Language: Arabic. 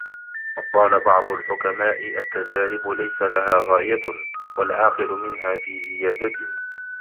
وَقَالَ بَعْضُ الْحُكَمَاءِ التَّجَارِبُ لَيْسَ لَهَا غَايَةٌ ، وَالْعَاقِلُ مِنْهَا فِي زِيَادَةٍ